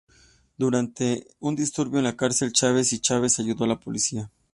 Durante un disturbio en la cárcel, Chavez y Chavez ayudó a la policía.